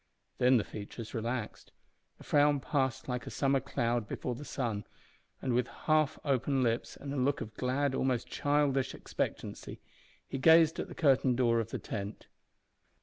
Then the features relaxed; the frown passed like a summer cloud before the sun, and, with half open lips and a look of glad, almost childish expectancy, he gazed at the curtain door of the tent.